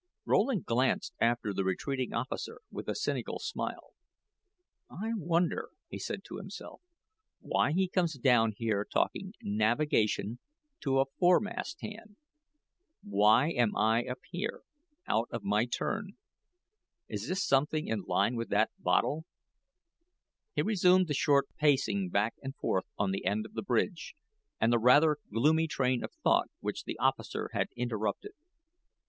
Rowland glanced after the retreating officer with a cynical smile. "I wonder," he said to himself, "why he comes down here talking navigation to a foremast hand. Why am I up here out of my turn? Is this something in line with that bottle?" He resumed the short pacing back and forth on the end of the bridge, and the rather gloomy train of thought which the officer had interrupted.